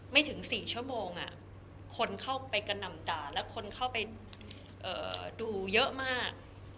ไม่ถึง๔ชั่วโมงคนเข้าไปกระหน่ำด่าแล้วคนเข้าไปดูเยอะมาก